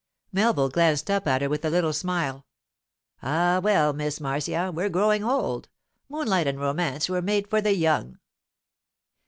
Melville glanced up at her with a little smile. 'Ah, well, Miss Marcia, we're growing old—moonlight and romance were made for the young.